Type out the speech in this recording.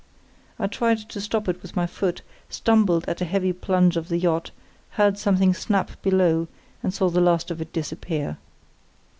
I tried to stop it with my foot, stumbled at a heavy plunge of the yacht, heard something snap below, and saw the last of it disappear.